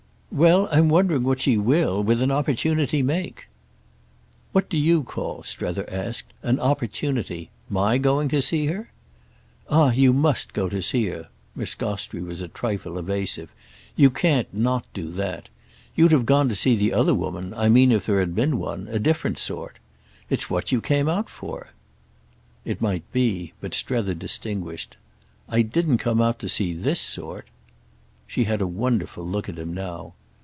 "Well, I'm wondering what she will—with an opportunity—make." "What do you call," Strether asked, "an opportunity? My going to see her?" "Ah you must go to see her"—Miss Gostrey was a trifle evasive. "You can't not do that. You'd have gone to see the other woman. I mean if there had been one—a different sort. It's what you came out for." It might be; but Strether distinguished. "I didn't come out to see this sort." She had a wonderful look at him now.